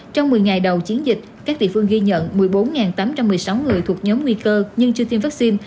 trong một mươi ngày đầu chiến dịch các địa phương ghi nhận một mươi bốn tám trăm một mươi sáu người thuộc nhóm nguy cơ nhưng chưa tiêm vaccine